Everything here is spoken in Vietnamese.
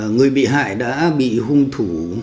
người bị hại đã bị hùng thủ